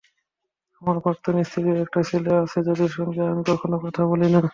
আমার প্রাক্তন স্ত্রী ও একটা ছেলে আছে যাদের সঙ্গে আমি কখনো কথা বলি না।